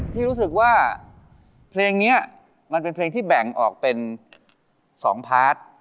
ที่รู้สึกว่าเพลงนี้มันเป็นเพลงที่แบ่งออกเป็น๒พาร์ท